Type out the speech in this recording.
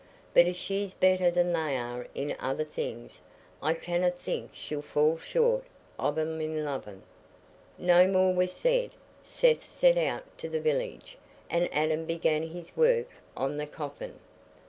But if she's better than they are in other things, I canna think she'll fall short of 'em in loving." No more was said. Seth set out to the village, and Adam began his work on the coffin.